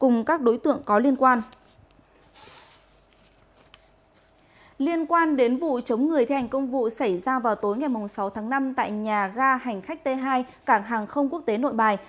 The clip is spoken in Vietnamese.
người thi hành công vụ xảy ra vào tối ngày sáu tháng năm tại nhà ga hành khách t hai cảng hàng không quốc tế nội bài